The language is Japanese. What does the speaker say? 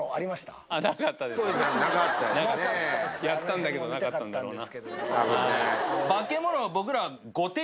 やったんだけどなかったんだろうな。